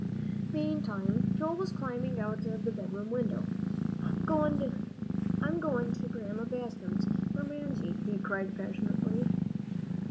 Meantime, Joel was climbing out of the bedroom window. "I'm goin' to Grandma Bascom's for Mamsie," he cried passionately.